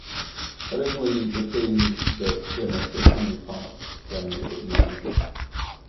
Originally the train that terminates at Tinley Park terminated at New Lenox.